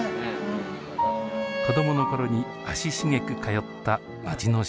子どもの頃に足しげく通った町の書店です。